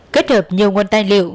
kết hợp nhiều nguồn tài liệu